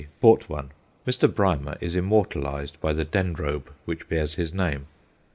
bought one Mr. Brymer is immortalized by the Dendrobe which bears his name.